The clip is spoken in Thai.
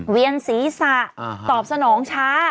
เวียนศีรษะตอบสนองช้า